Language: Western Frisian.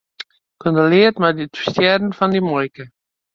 Kondolearre mei it ferstjerren fan dyn muoike.